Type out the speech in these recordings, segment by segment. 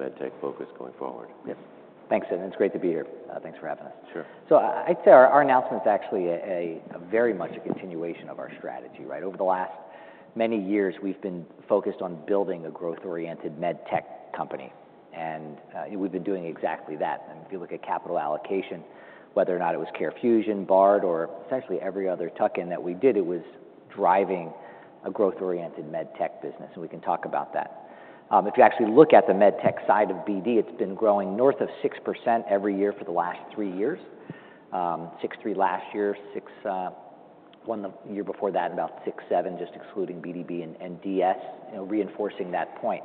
For the MedTech focus going forward. Yes. Thanks, and it's great to be here. Thanks for having us. Sure. I'd say our announcement's actually very much a continuation of our strategy, right? Over the last many years, we've been focused on building a growth-oriented MedTech company, and we've been doing exactly that. If you look at capital allocation, whether or not it was CareFusion, Bard, or essentially every other tuck-in that we did, it was driving a growth-oriented MedTech business, and we can talk about that. If you actually look at the MedTech side of BD, it's been growing north of 6% every year for the last three years: 6.3% last year, 6.1% the year before that, and about 6.7% just excluding BDB and IDS, and reinforcing that point.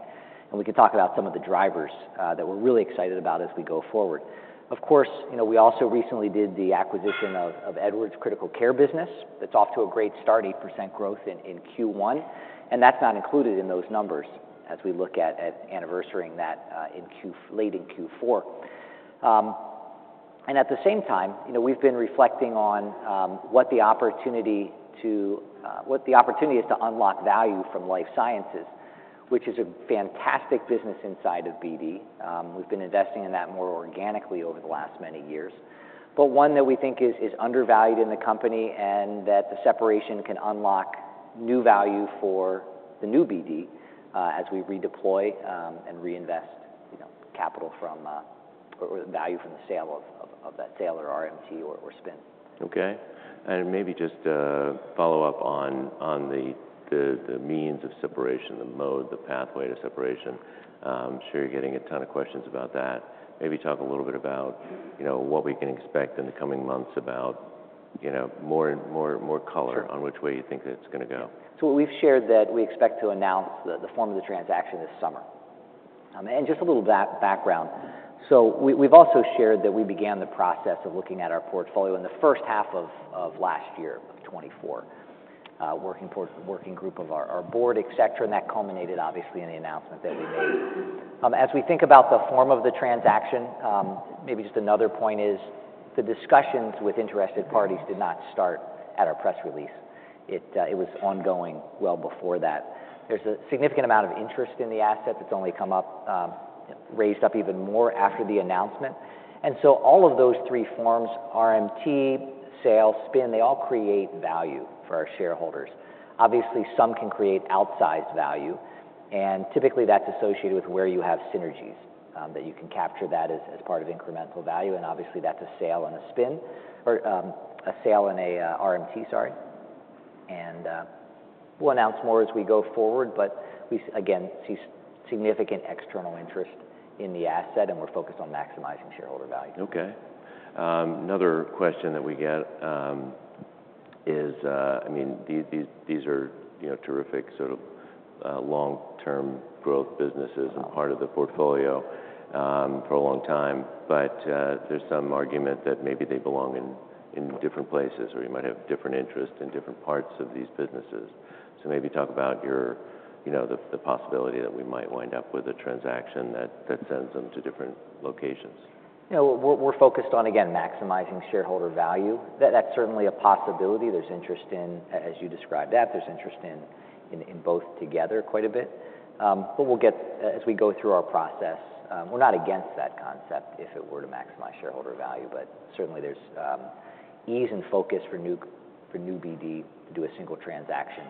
We can talk about some of the drivers that we're really excited about as we go forward. Of course, we also recently did the acquisition of Edwards Critical Care business. It's off to a great start, 8% growth in Q1, and that's not included in those numbers as we look at anniversarying that late in Q4. At the same time, we've been reflecting on what the opportunity is to unlock value from life sciences, which is a fantastic business inside of BD. We've been investing in that more organically over the last many years, but one that we think is undervalued in the company and that the separation can unlock new value for the new BD as we redeploy and reinvest capital from or value from the sale of that sale or RMT or spin. Okay. Maybe just follow up on the means of separation, the mode, the pathway to separation. I'm sure you're getting a ton of questions about that. Maybe talk a little bit about what we can expect in the coming months about more color on which way you think that's going to go. We have shared that we expect to announce the form of the transaction this summer. Just a little background. We have also shared that we began the process of looking at our portfolio in the first half of last year, 2024, working group of our board, etc., and that culminated, obviously, in the announcement that we made. As we think about the form of the transaction, maybe just another point is the discussions with interested parties did not start at our press release. It was ongoing well before that. There is a significant amount of interest in the asset that has only raised up even more after the announcement. All of those three forms, RMT, sales, spin, they all create value for our shareholders. Obviously, some can create outsized value, and typically that's associated with where you have synergies that you can capture that as part of incremental value, and obviously that's a sale and a spin or a sale and an RMT, sorry. We will announce more as we go forward, but we, again, see significant external interest in the asset, and we're focused on maximizing shareholder value. Okay. Another question that we get is, I mean, these are terrific sort of long-term growth businesses and part of the portfolio for a long time, but there's some argument that maybe they belong in different places or you might have different interests in different parts of these businesses. Maybe talk about the possibility that we might wind up with a transaction that sends them to different locations. Yeah. We're focused on, again, maximizing shareholder value. That's certainly a possibility. There's interest in, as you described that, there's interest in both together quite a bit. As we go through our process, we're not against that concept if it were to maximize shareholder value, but certainly there's ease and focus for new BD to do a single transaction.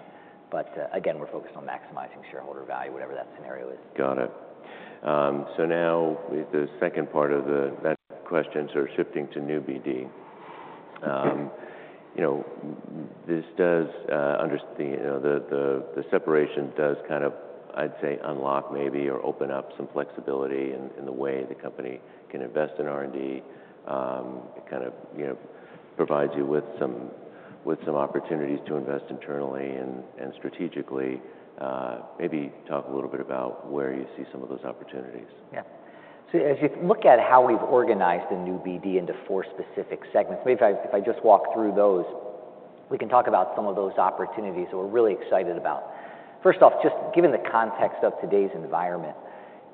Again, we're focused on maximizing shareholder value, whatever that scenario is. Got it. Now the second part of that question, shifting to new BD, the separation does kind of, I'd say, unlock maybe or open up some flexibility in the way the company can invest in R&D. It kind of provides you with some opportunities to invest internally and strategically. Maybe talk a little bit about where you see some of those opportunities. Yeah. As you look at how we've organized the new BD into four specific segments, maybe if I just walk through those, we can talk about some of those opportunities that we're really excited about. First off, just given the context of today's environment,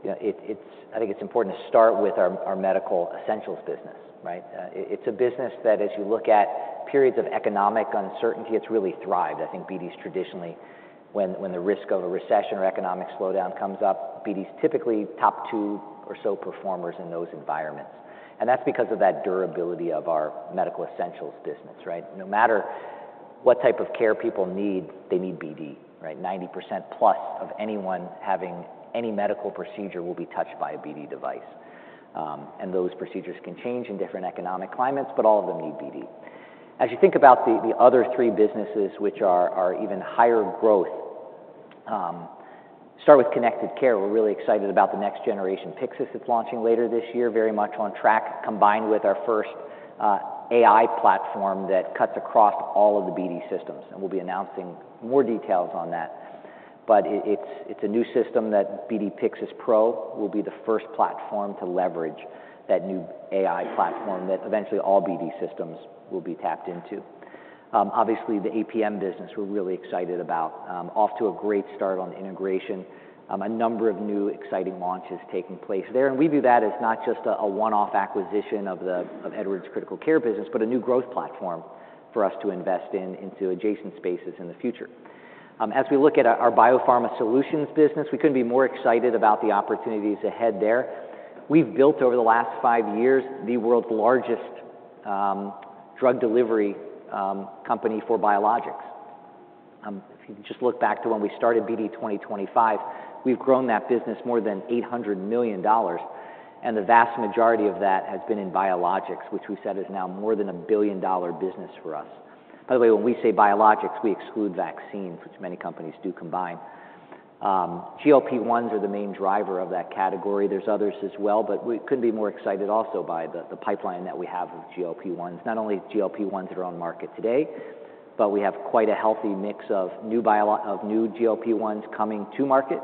I think it's important to start with our medical essentials business, right? It's a business that, as you look at periods of economic uncertainty, it's really thrived. I think BD's traditionally, when the risk of a recession or economic slowdown comes up, BD's typically top two or so performers in those environments. That's because of that durability of our medical essentials business, right? No matter what type of care people need, they need BD, right? 90% plus of anyone having any medical procedure will be touched by a BD device. Those procedures can change in different economic climates, but all of them need BD. As you think about the other three businesses which are even higher growth, start with connected care. We're really excited about the next generation Pyxis that's launching later this year, very much on track, combined with our first AI platform that cuts across all of the BD systems. We'll be announcing more details on that. It's a new system that BD Pyxis Pro will be the first platform to leverage, that new AI platform that eventually all BD systems will be tapped into. Obviously, the APM business we're really excited about, off to a great start on integration. A number of new exciting launches taking place there. We view that as not just a one-off acquisition of Edwards Critical Care business, but a new growth platform for us to invest in into adjacent spaces in the future. As we look at our biopharma solutions business, we couldn't be more excited about the opportunities ahead there. We've built over the last five years the world's largest drug delivery company for biologics. If you just look back to when we started BD 2025, we've grown that business more than $800 million, and the vast majority of that has been in biologics, which we said is now more than a billion-dollar business for us. By the way, when we say biologics, we exclude vaccines, which many companies do combine. GLP-1s are the main driver of that category. There's others as well, but we couldn't be more excited also by the pipeline that we have of GLP-1s. Not only GLP-1s that are on market today, but we have quite a healthy mix of new GLP-1s coming to market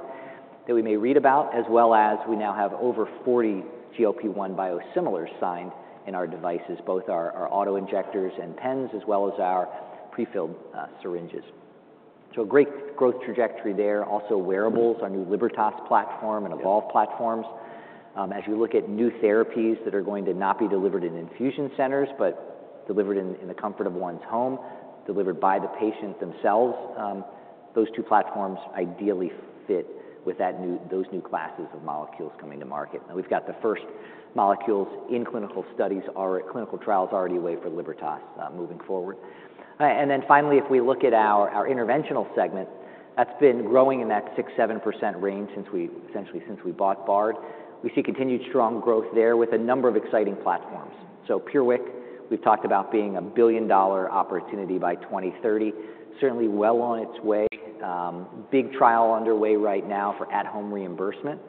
that we may read about, as well as we now have over 40 GLP-1 biosimilars signed in our devices, both our auto injectors and pens, as well as our prefilled syringes. A great growth trajectory there. Also, wearables, our new Libertas platform and Evolve platforms. As you look at new therapies that are going to not be delivered in infusion centers, but delivered in the comfort of one's home, delivered by the patients themselves, those two platforms ideally fit with those new classes of molecules coming to market. Now we've got the first molecules in clinical studies, clinical trials already a way for Libertas moving forward. If we look at our interventional segment, that's been growing in that 6-7% range since we essentially since we bought Bard. We see continued strong growth there with a number of exciting platforms. PureWick, we've talked about being a billion-dollar opportunity by 2030, certainly well on its way. Big trial underway right now for at-home reimbursement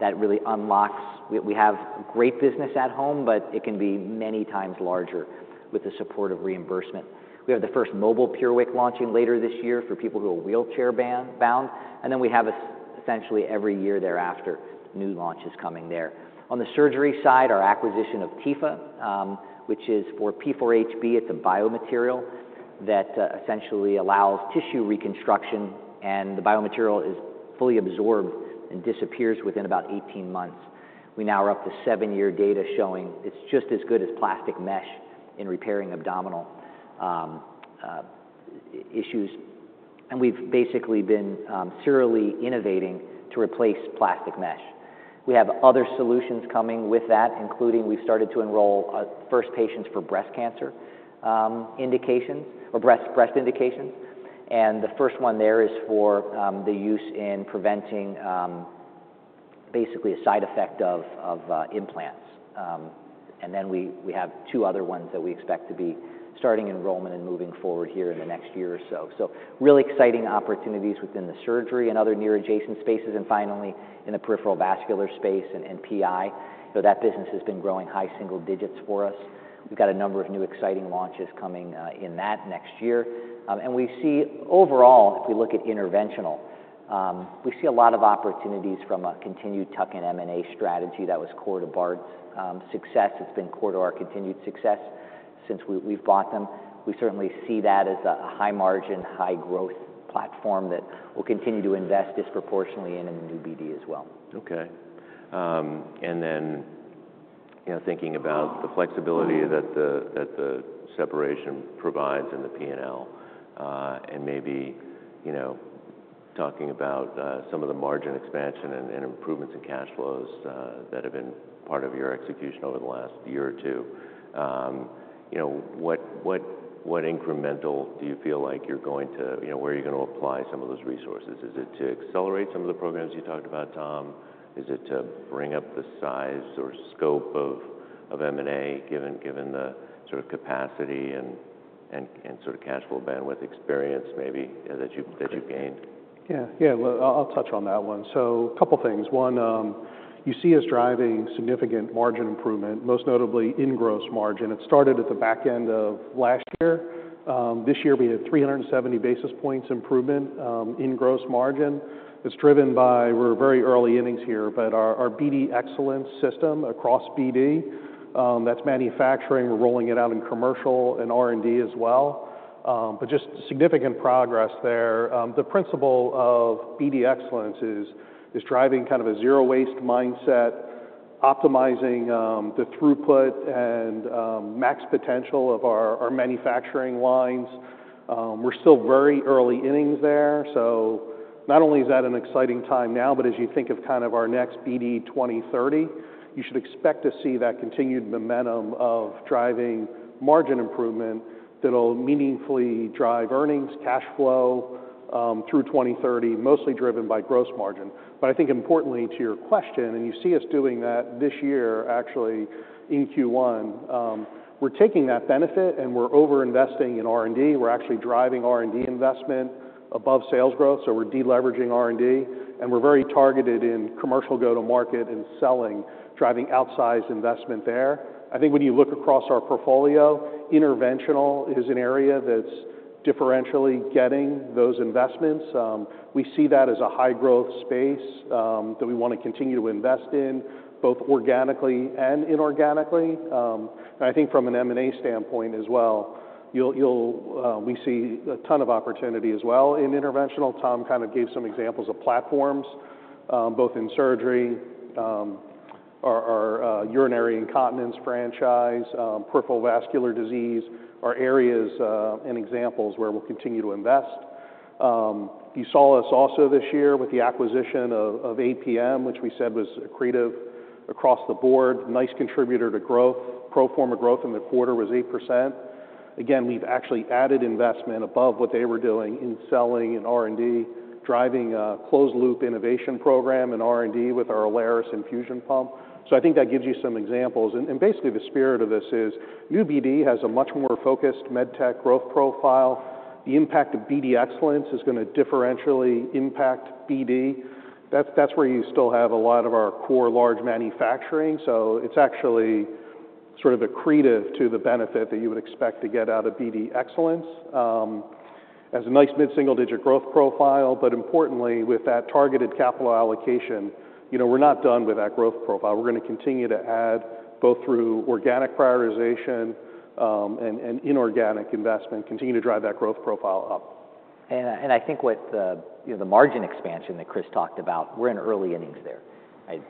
that really unlocks. We have great business at home, but it can be many times larger with the support of reimbursement. We have the first mobile PureWick launching later this year for people who are wheelchair-bound. We have essentially every year thereafter, new launches coming there. On the surgery side, our acquisition of Tepha, which is for P4HB, it's a biomaterial that essentially allows tissue reconstruction, and the biomaterial is fully absorbed and disappears within about 18 months. We now are up to seven-year data showing it's just as good as plastic mesh in repairing abdominal issues. We've basically been serially innovating to replace plastic mesh. We have other solutions coming with that, including we've started to enroll first patients for breast cancer indications or breast indications. The first one there is for the use in preventing basically a side effect of implants. We have two other ones that we expect to be starting enrollment and moving forward here in the next year or so. Really exciting opportunities within the surgery and other near-adjacent spaces. Finally, in the peripheral vascular space and PI, that business has been growing high single digits for us. We've got a number of new exciting launches coming in that next year. We see overall, if we look at interventional, we see a lot of opportunities from a continued tuck-in M&A strategy that was core to Bard's success. It's been core to our continued success since we've bought them. We certainly see that as a high-margin, high-growth platform that we'll continue to invest disproportionately in and in new BD as well. Okay. Thinking about the flexibility that the separation provides in the P&L and maybe talking about some of the margin expansion and improvements in cash flows that have been part of your execution over the last year or two, what incremental do you feel like you're going to where are you going to apply some of those resources? Is it to accelerate some of the programs you talked about, Tom? Is it to bring up the size or scope of M&A given the sort of capacity and sort of cash flow bandwidth experience maybe that you've gained? Yeah. Yeah. I'll touch on that one. A couple of things. One, UC is driving significant margin improvement, most notably in gross margin. It started at the back end of last year. This year we had 370 basis points improvement in gross margin. It's driven by we're very early innings here, but our BD Excellence system across BD, that's manufacturing, we're rolling it out in commercial and R&D as well. Just significant progress there. The principle of BD Excellence is driving kind of a zero-waste mindset, optimizing the throughput and max potential of our manufacturing lines. We're still very early innings there. Not only is that an exciting time now, but as you think of kind of our next BD 2030, you should expect to see that continued momentum of driving margin improvement that'll meaningfully drive earnings, cash flow through 2030, mostly driven by gross margin. I think importantly to your question, and you see us doing that this year actually in Q1, we're taking that benefit and we're over-investing in R&D. We're actually driving R&D investment above sales growth. We're deleveraging R&D and we're very targeted in commercial go-to-market and selling, driving outsized investment there. I think when you look across our portfolio, interventional is an area that's differentially getting those investments. We see that as a high-growth space that we want to continue to invest in both organically and inorganically. I think from an M&A standpoint as well, we see a ton of opportunity as well in interventional. Tom kind of gave some examples of platforms, both in surgery, our urinary incontinence franchise, peripheral vascular disease are areas and examples where we'll continue to invest. You saw us also this year with the acquisition of APM, which we said was accretive across the board, nice contributor to growth, pro forma growth in the quarter was 8%. Again, we've actually added investment above what they were doing in selling and R&D, driving a closed-loop innovation program in R&D with our Alaris infusion pump. I think that gives you some examples. Basically the spirit of this is new BD has a much more focused med tech growth profile. The impact of BD Excellence is going to differentially impact BD. That's where you still have a lot of our core large manufacturing. It's actually sort of accretive to the benefit that you would expect to get out of BD Excellence as a nice mid-single-digit growth profile. Importantly, with that targeted capital allocation, we're not done with that growth profile. We're going to continue to add both through organic prioritization and inorganic investment, continue to drive that growth profile up. I think with the margin expansion that Chris talked about, we're in early innings there.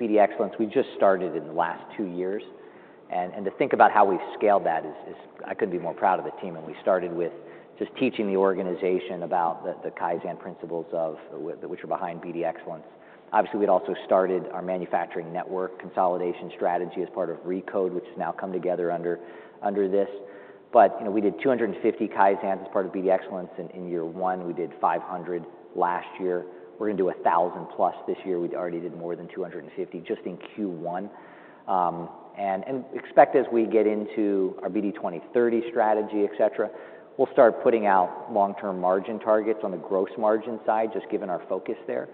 BD Excellence, we just started in the last two years. To think about how we've scaled that is I couldn't be more proud of the team. We started with just teaching the organization about the Kaizen principles which are behind BD Excellence. Obviously, we'd also started our manufacturing network consolidation strategy as part of ReCode, which has now come together under this. We did 250 Kaizens as part of BD Excellence in year one. We did 500 last year. We're going to do 1,000 plus this year. We already did more than 250 just in Q1. As we get into our BD 2030 strategy, etc., we will start putting out long-term margin targets on the gross margin side, just given our focus there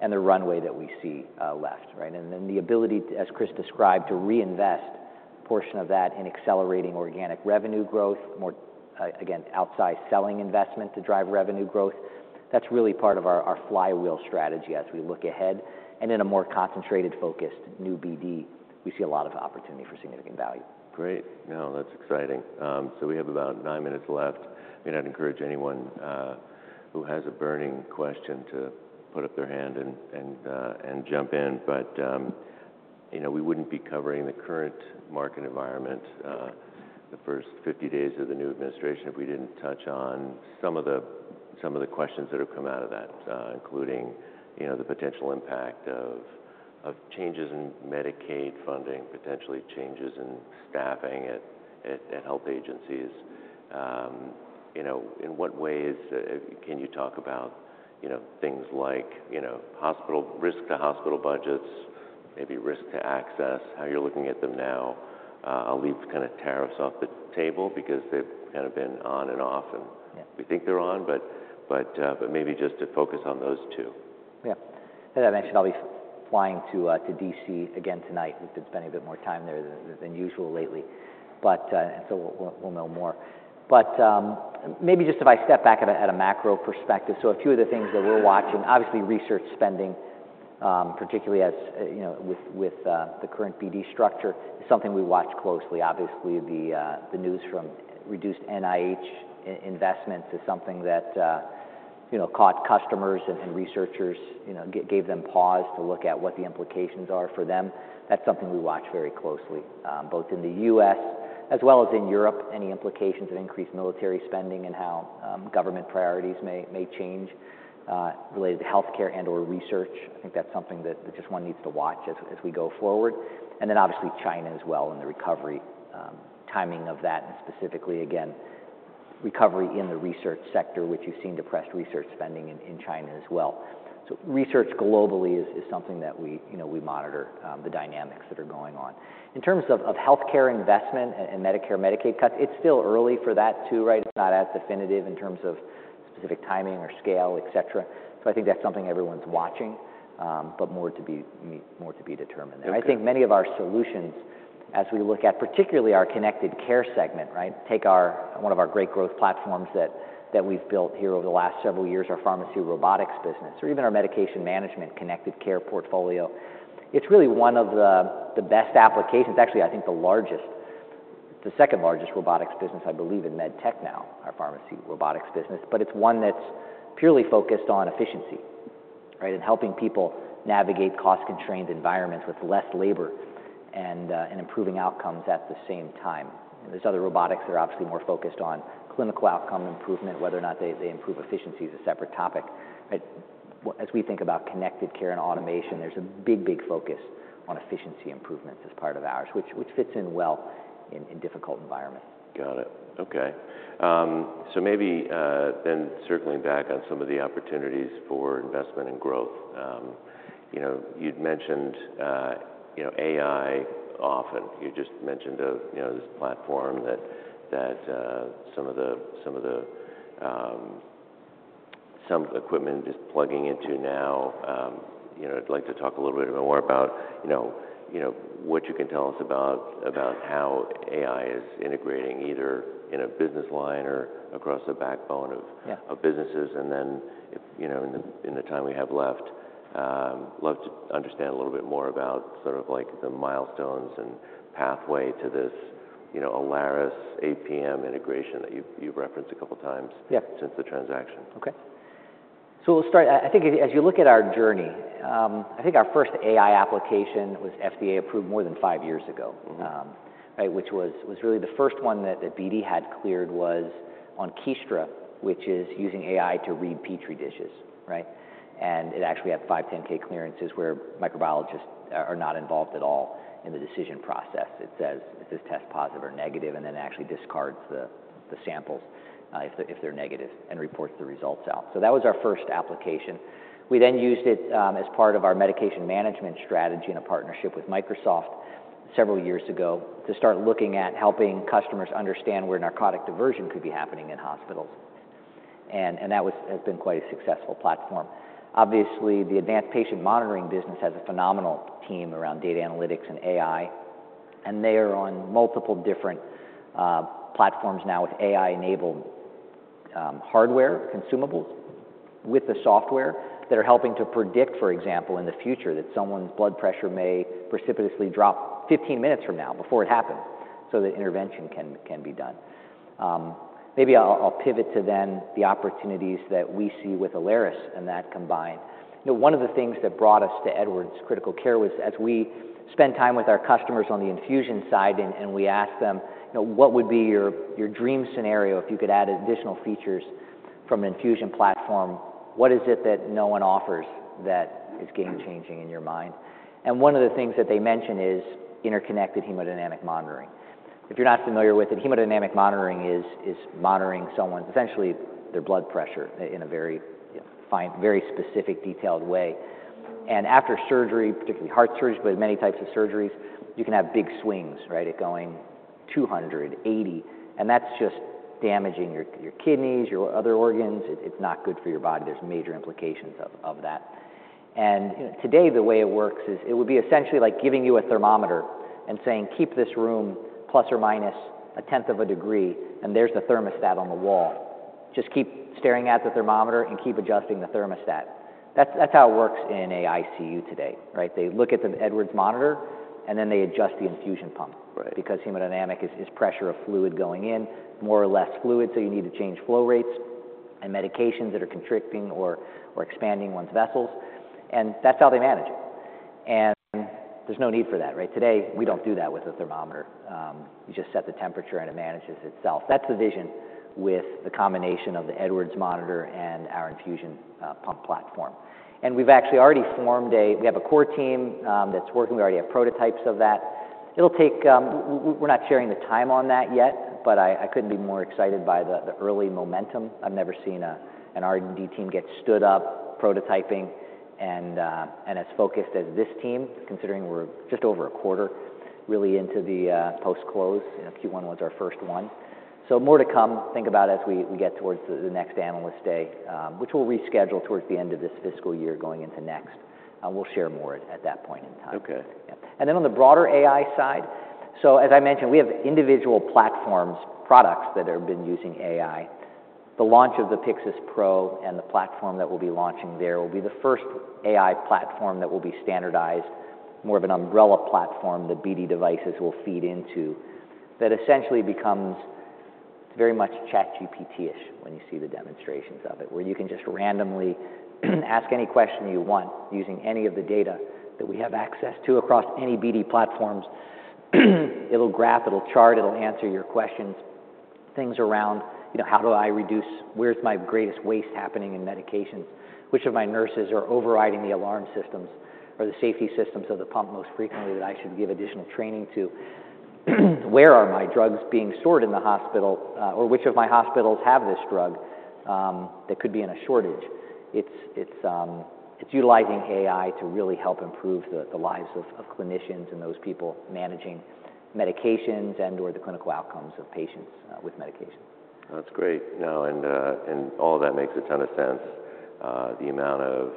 and the runway that we see left, right? The ability, as Chris described, to reinvest a portion of that in accelerating organic revenue growth, more again, outside selling investment to drive revenue growth, is really part of our flywheel strategy as we look ahead. In a more concentrated focused new BD, we see a lot of opportunity for significant value. Great. No, that's exciting. We have about nine minutes left. I mean, I'd encourage anyone who has a burning question to put up their hand and jump in. We wouldn't be covering the current market environment, the first 50 days of the new administration, if we didn't touch on some of the questions that have come out of that, including the potential impact of changes in Medicaid funding, potentially changes in staffing at health agencies. In what ways can you talk about things like hospital risk to hospital budgets, maybe risk to access, how you're looking at them now? I'll leave kind of tariffs off the table because they've kind of been on and off, and we think they're on, but maybe just to focus on those two. Yeah. As I mentioned, I'll be flying to DC again tonight. We've been spending a bit more time there than usual lately. We'll know more. Maybe just if I step back at a macro perspective, a few of the things that we're watching, obviously research spending, particularly with the current BD structure, is something we watch closely. Obviously, the news from reduced NIH investments is something that caught customers and researchers, gave them pause to look at what the implications are for them. That's something we watch very closely, both in the US as well as in Europe, any implications of increased military spending and how government priorities may change related to healthcare and/or research. I think that's something that just one needs to watch as we go forward. Obviously China as well and the recovery timing of that, and specifically again, recovery in the research sector, which you've seen depressed research spending in China as well. Research globally is something that we monitor, the dynamics that are going on. In terms of healthcare investment and Medicare, Medicaid cuts, it's still early for that too, right? It's not as definitive in terms of specific timing or scale, etc. I think that's something everyone's watching, but more to be determined. I think many of our solutions, as we look at particularly our connected care segment, right? Take one of our great growth platforms that we've built here over the last several years, our pharmacy robotics business, or even our medication management connected care portfolio. It's really one of the best applications, actually I think the second largest robotics business, I believe, in med tech now, our pharmacy robotics business, but it's one that's purely focused on efficiency, right? Helping people navigate cost-constrained environments with less labor and improving outcomes at the same time. There are other robotics that are obviously more focused on clinical outcome improvement, whether or not they improve efficiency is a separate topic. As we think about connected care and automation, there's a big, big focus on efficiency improvements as part of ours, which fits in well in difficult environments. Got it. Okay. Maybe then circling back on some of the opportunities for investment and growth, you'd mentioned AI often. You just mentioned this platform that some of the equipment is plugging into now. I'd like to talk a little bit more about what you can tell us about how AI is integrating either in a business line or across the backbone of businesses. In the time we have left, I'd love to understand a little bit more about sort of like the milestones and pathway to this Alaris APM integration that you've referenced a couple of times since the transaction. Okay. We'll start. I think as you look at our journey, I think our first AI application was FDA-approved more than five years ago, right? Which was really the first one that BD had cleared was on Kiestra, which is using AI to read Petri dishes, right? It actually had 510(k) clearances where microbiologists are not involved at all in the decision process. It says if it's test positive or negative, and then it actually discards the samples if they're negative and reports the results out. That was our first application. We then used it as part of our medication management strategy in a partnership with Microsoft several years ago to start looking at helping customers understand where narcotic diversion could be happening in hospitals. That has been quite a successful platform. Obviously, the advanced patient monitoring business has a phenomenal team around data analytics and AI. They are on multiple different platforms now with AI-enabled hardware, consumables with the software that are helping to predict, for example, in the future that someone's blood pressure may precipitously drop 15 minutes from now before it happened so that intervention can be done. Maybe I'll pivot to then the opportunities that we see with Alaris and that combined. One of the things that brought us to Edwards Critical Care was as we spent time with our customers on the infusion side and we asked them, what would be your dream scenario if you could add additional features from an infusion platform? What is it that no one offers that is game-changing in your mind? One of the things that they mentioned is interconnected hemodynamic monitoring. If you're not familiar with it, hemodynamic monitoring is monitoring someone, essentially their blood pressure in a very specific, detailed way. After surgery, particularly heart surgery, but many types of surgeries, you can have big swings, right? It going 200, 80. That's just damaging your kidneys, your other organs. It's not good for your body. There's major implications of that. Today the way it works is it would be essentially like giving you a thermometer and saying, keep this room plus or minus a tenth of a degree, and there's the thermostat on the wall. Just keep staring at the thermometer and keep adjusting the thermostat. That's how it works in an ICU today, right? They look at the Edwards monitor and then they adjust the infusion pump because hemodynamic is pressure of fluid going in, more or less fluid. You need to change flow rates and medications that are constricting or expanding one's vessels. That's how they manage it. There's no need for that, right? Today we don't do that with a thermometer. You just set the temperature and it manages itself. That's the vision with the combination of the Edwards monitor and our infusion pump platform. We've actually already formed a core team that's working. We already have prototypes of that. We're not sharing the time on that yet, but I couldn't be more excited by the early momentum. I've never seen an R&D team get stood up prototyping and as focused as this team, considering we're just over a quarter really into the post-close. Q1 was our first one. More to come. Think about it as we get towards the next analyst day, which we'll reschedule towards the end of this fiscal year going into next. We'll share more at that point in time. Okay. On the broader AI side, as I mentioned, we have individual platforms, products that have been using AI. The launch of the Pyxis Pro and the platform that we will be launching there will be the first AI platform that will be standardized, more of an umbrella platform that BD devices will feed into that essentially becomes very much ChatGPT-ish when you see the demonstrations of it, where you can just randomly ask any question you want using any of the data that we have access to across any BD platforms. It'll graph, it'll chart, it'll answer your questions, things around how do I reduce? Where's my greatest waste happening in medications? Which of my nurses are overriding the alarm systems? Or the safety systems of the pump most frequently that I should give additional training to, where are my drugs being stored in the hospital? Or which of my hospitals have this drug that could be in a shortage? It's utilizing AI to really help improve the lives of clinicians and those people managing medications and/or the clinical outcomes of patients with medication. That's great. No, and all of that makes a ton of sense. The amount of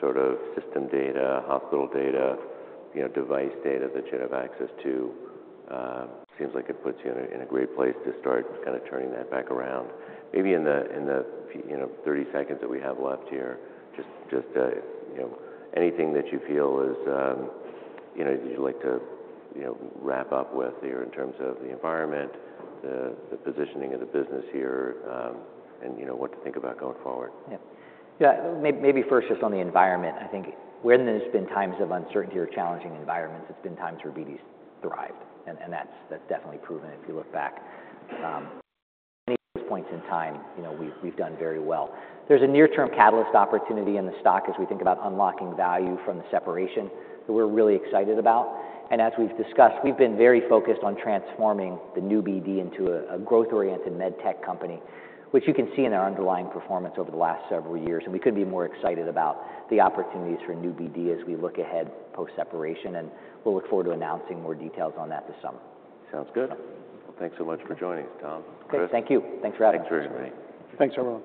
sort of system data, hospital data, device data that you have access to seems like it puts you in a great place to start kind of turning that back around. Maybe in the 30 seconds that we have left here, just anything that you feel is you'd like to wrap up with here in terms of the environment, the positioning of the business here, and what to think about going forward. Yeah. Maybe first just on the environment. I think when there's been times of uncertainty or challenging environments, it's been times where BD's thrived. That's definitely proven if you look back. At many points in time, we've done very well. There's a near-term catalyst opportunity in the stock as we think about unlocking value from the separation that we're really excited about. As we've discussed, we've been very focused on transforming the new BD into a growth-oriented med tech company, which you can see in our underlying performance over the last several years. We couldn't be more excited about the opportunities for new BD as we look ahead post-separation. We'll look forward to announcing more details on that this summer. Sounds good. Thanks so much for joining us, Tom. Chris, thank you. Thanks for having me. Thanks very much. Thanks, everyone.